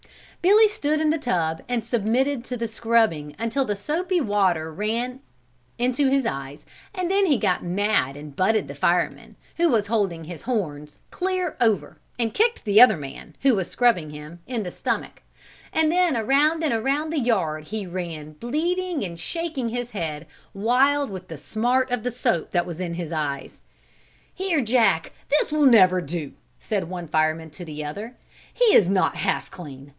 Billy stood in the tub and submitted to the scrubbing until the soapy water ran into his eyes and then he got mad and butted the fireman, who was holding his horns, clear over, and kicked the other man, who was scrubbing him, in the stomach; and then around and around the yard he ran bleating and shaking his head, wild with the smart of the soap that was in his eyes. "Here, Jack, this will never do," said one fireman to the other, "he is not half clean.